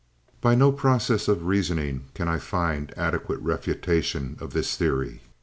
"By no process of reasoning can I find adequate refutation of this theory.